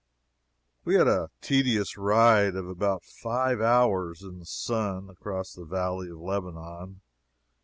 We had a tedious ride of about five hours, in the sun, across the Valley of Lebanon.